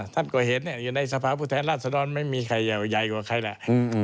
ท่านก็เห็นเนี่ยอยู่ในสภาพุทธแทนราชดรไม่มีใครเยาว์ใหญ่กว่าใครแหละ